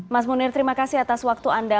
mas munir terima kasih atas waktu anda